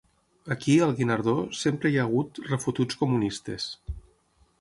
Aquí, al Guinardó, sempre hi ha hagut refotuts comunistes.